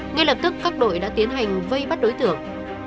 ngay lập tức các đội đã tiến hành vây bắt đối tượng